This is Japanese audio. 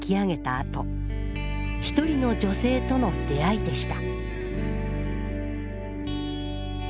あと一人の女性との出会いでした